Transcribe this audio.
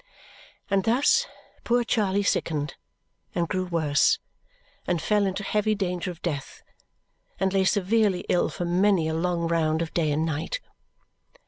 And thus poor Charley sickened and grew worse, and fell into heavy danger of death, and lay severely ill for many a long round of day and night.